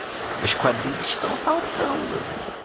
Meus quadris estão faltando.